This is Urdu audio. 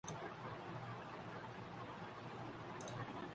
اسکی قیمت کم و بیش امریکی ڈالر مقرر کی گئ ہے جبکہ پروفیشنل ورژن کی قیمت ڈالر ہے